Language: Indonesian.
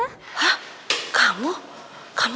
hah kamu kamu kok bisa tahu siapa yang ngasih tahu kamu